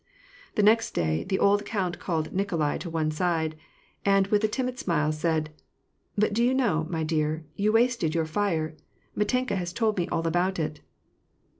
The next day, the old count called Nikolai to one side, and with a timid smile, said, —But do you know, my dear, you wasted your fire ! Mitenka has told me all about it."